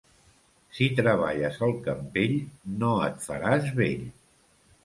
Si treballes al Campell, no et faràs vell.